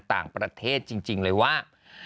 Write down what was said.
ต่างประเทศจริงเลยว่า